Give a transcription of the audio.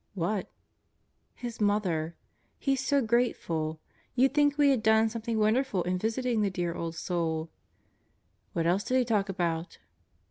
"What?" "His mother. He's so grateful. You'd think we had done some thing wonderful in visiting the dear old soul." "What else did he talk about?"